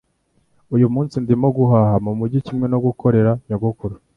Uyu munsi ndimo guhaha mumujyi kimwe no gukorera nyogokuru.